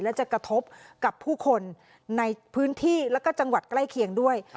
และจะกระทบกับผู้คนในพื้นที่แล้วก็จังหวัดใกล้เคียงด้วย